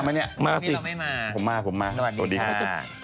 วันนี้มามั้ยเนี่ยมาสิวันนี้เราไม่มา